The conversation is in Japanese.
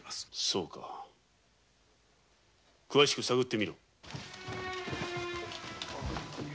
そうか詳しく探って見ろ！